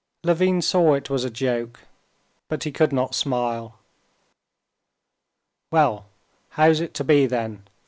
Levin saw it was a joke, but he could not smile. "Well, how's it to be then?